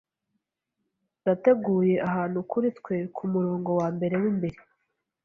Nateguye ahantu kuri twe kumurongo wambere wimbere.